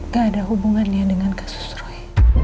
gak ada hubungannya dengan kasus roy